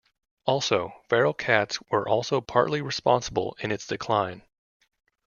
Also, feral cats were also partly responsible in its decline.